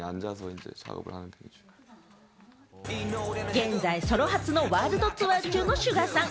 現在、ソロ初のワールドツアー中のＳＵＧＡさん。